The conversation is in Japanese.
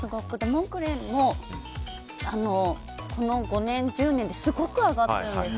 モンクレールもこの５年、１０年ですごく上がったんです。